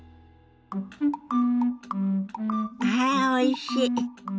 はあおいしい。